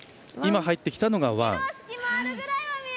今入ってきたのがワン。